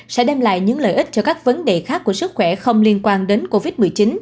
sẽ đem lại những lợi ích cho các vấn đề khác của sức khỏe không liên quan đến covid một mươi chín